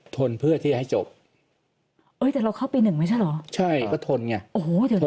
ทนเพื่อที่จะให้จบเอ้ยแต่เราเข้าปีหนึ่งไม่ใช่เหรอใช่ก็ทนไงโอ้โหเดี๋ยวท